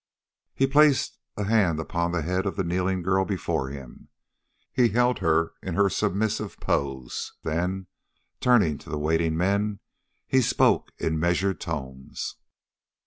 He placed a hand upon the head of the kneeling girl before him. He held her in her submissive pose, then, turning to the waiting men, he spoke in measured tones.